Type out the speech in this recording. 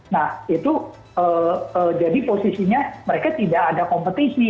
nah itu jadi posisinya mereka tidak ada kompetisi